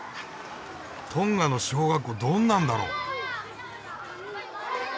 トンガの小学校どんなんだろう？